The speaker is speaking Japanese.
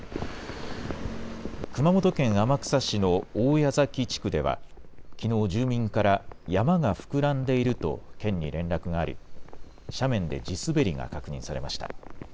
熊本県天草市の大矢崎地区ではきのう住民から山が膨らんでいると県に連絡があり斜面で地滑りが確認されました。